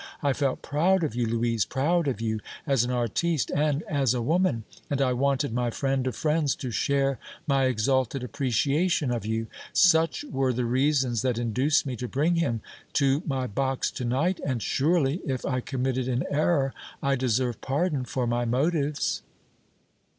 I felt proud of you, Louise, proud of you as an artiste and as a woman, and I wanted my friend of friends to share my exalted appreciation of you. Such were the reasons that induced me to bring him to my box to night, and, surely, if I committed an error, I deserve pardon for my motives!"